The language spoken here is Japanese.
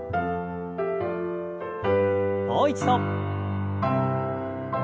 もう一度。